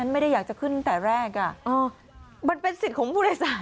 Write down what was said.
มันเป็นสิทธิ์ของผู้โดยสาร